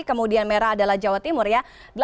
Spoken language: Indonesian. kemudian merah adalah jawa timur ya